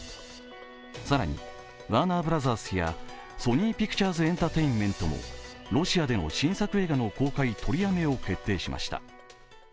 更に、ワーナー・ブラザースやソニー・ピクチャーズエンタテインメントもロシアでの新作映画の公開取りやめを決定しました。